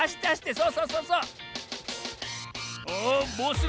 そうそうそう。